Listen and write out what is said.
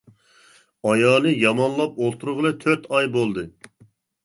ئايالى يامانلاپ ئولتۇرغىلى تۆت ئاي بولدى.